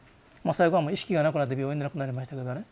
最後はもう意識がなくなって病院で亡くなりましたけどね。